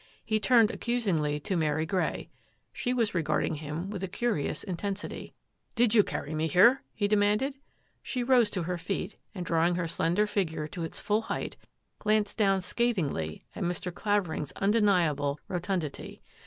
He turned accusingly to Mary Grey. She was regarding him with a curi ous intensity. "Did you carry me here?" he demanded. She rose to her feet, and drawing her slender* figure to its full height, glanced down scathingly at Mr. Clavering's undeniable rotundity.